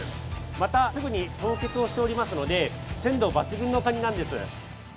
またすぐに凍結をしておりますので鮮度抜群のカニなんです。